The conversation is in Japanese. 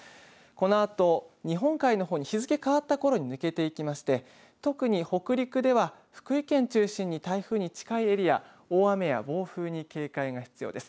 このあと日本海のほうに日付変わったころに抜けていきまして特に北陸では福井県中心に台風に近いエリア、大雨や暴風に警戒が必要です。